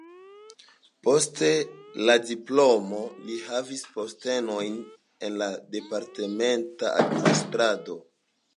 Post la diplomo li havis postenojn en la departementa administrado.